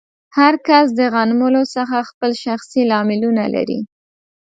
هر کس د غنملو څخه خپل شخصي لاملونه لري.